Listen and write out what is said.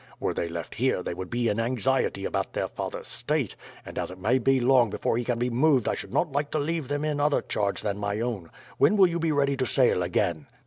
Were they left here they would be in anxiety about their father's state, and as it may be long before he can be moved I should not like to leave them in other charge than my own. When will you be ready to sail again?"